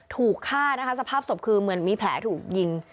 ถูกฆ่าสภาพศพคือแผลถูกยิง